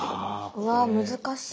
うわ難しい。